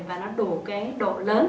và nó đủ cái độ lớn